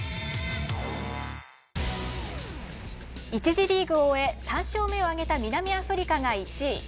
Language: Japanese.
１次リーグを終え３勝目を挙げた南アフリカが１位。